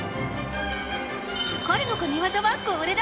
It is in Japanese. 彼の神技はこれだ。